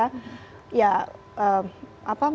untuk menghindari rasisme dan persekusi di surabaya